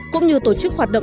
cũng như tổ chức hoạt động